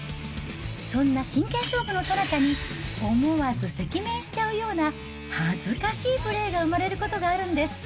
そんな真剣勝負のさなかに、思わず赤面しちゃうような恥ずかしいプレーが生まれることがあるんです。